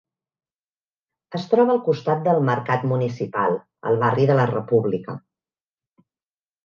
Es troba al costat del mercat municipal, al barri de la República.